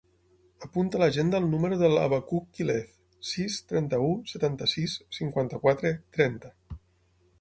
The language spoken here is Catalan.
Apunta a l'agenda el número del Abacuc Quilez: sis, trenta-u, setanta-sis, cinquanta-quatre, trenta.